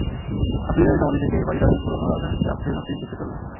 হাফিজের সমাধি থেকে এবার ইরানের পুরোনো রাজধানী তাখ্তে জামছিদ দেখতে চললাম।